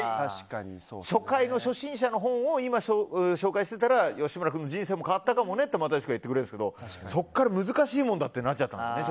初回の初心者の本を今、紹介してたら吉村君の人生も変わったかもねって又吉君は言ってくれるんだけどそこから難しいものだ小説はってなってしまって。